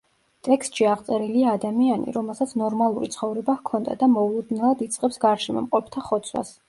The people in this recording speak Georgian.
ტექსტში აღწერილია ადამიანი, რომელსაც ნორმალური ცხოვრება ჰქონდა და მოულოდნელად იწყებს გარშემო მყოფთა ხოცვას.